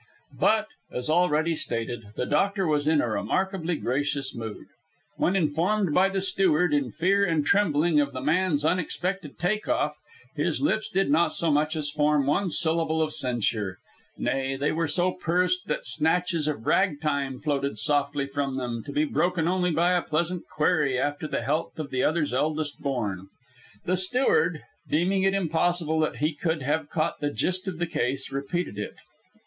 But, as already stated, the Doctor was in a remarkably gracious mood. When informed by the steward, in fear and trembling, of the man's unexpected take off, his lips did not so much as form one syllable of censure; nay, they were so pursed that snatches of rag time floated softly from them, to be broken only by a pleasant query after the health of the other's eldest born. The steward, deeming it impossible that he could have caught the gist of the case, repeated it.